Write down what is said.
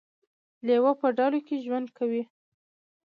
لیوه په ډلو کې ژوند کوي